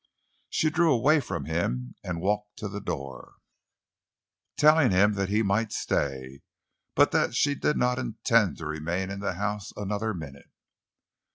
She drew away from him and walked to the door, telling him that he might stay, but that she did not intend to remain in the house another minute.